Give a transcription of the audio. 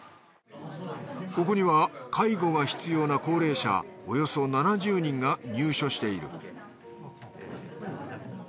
ここには介護が必要な高齢者およそ７０人が入所している。